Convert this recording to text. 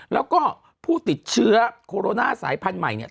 แล้วก็ผู้ติดเชื้อโคโรนาสายพันธุ์ใหม่เนี่ย